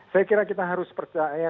saya kira kita harus percaya